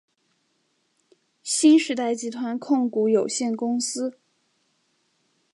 新时代集团控股有限公司。